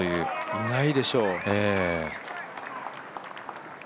いないでしょう。